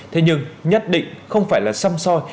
thế nhưng nhất định không phải là xăm soi